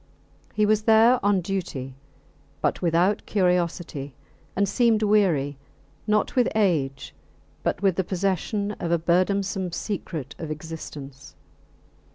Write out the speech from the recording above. He was there on duty, but without curiosity, and seemed weary, not with age, but with the possession of a burdensome secret of existence.